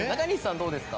どうですか？